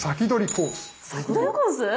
「先取りコース」？